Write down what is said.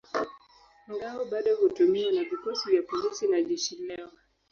Ngao bado hutumiwa na vikosi vya polisi na jeshi leo.